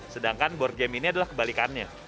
sedangkan board game ini adalah kebalikannya